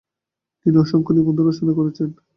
তিনি অসংখ্য নিবন্ধ রচনা করেন।